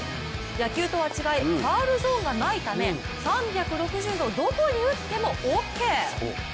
野球とは違いファウルゾーンがないため３６０度どこに打ってもオーケー。